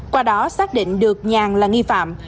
qua đó xác định được nhàn là nghi phạm